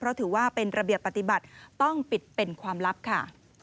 เพราะถือว่าเป็นระเบียบปฏิบัติต้องปิดเป็นความลับค่ะ